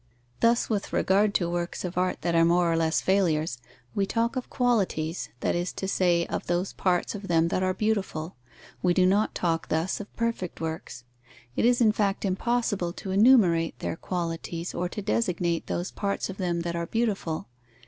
Thus, with regard to works of art that are more or less failures, we talk of qualities, that is to say of those parts of them that are beautiful. We do not talk thus of perfect works. It is in fact impossible to enumerate their qualities or to designate those parts of them that are beautiful.